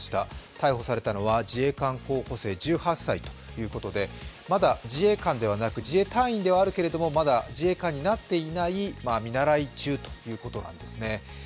逮捕されたのは自衛官候補生１８歳ということで、まだ、自衛官ではなく自衛隊員ではあるけども、まだ自衛官になっていない見習い中ということなんですね。